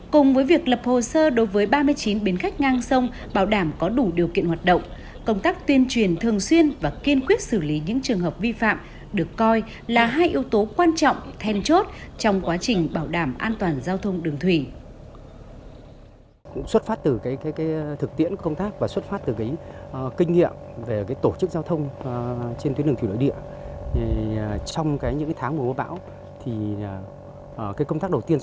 cùng với việc lập hồ sơ đối với ba mươi chín biến khách ngang sông bảo đảm có đủ điều kiện hoạt động công tác tuyên truyền thường xuyên và kiên quyết xử lý những trường hợp vi phạm được coi là hai yếu tố quan trọng thêm chốt trong quá trình bảo đảm an toàn giao thông đường thủy